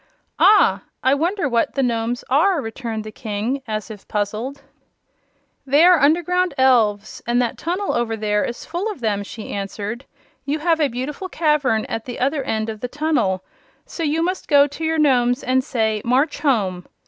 "Ah; I wonder what the Nomes are!" returned the King, as if puzzled. "They are underground elves, and that tunnel over there is full of them," she answered. "You have a beautiful cavern at the other end of the tunnel, so you must go to your Nomes and say: 'March home!'